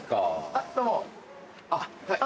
あっどうも。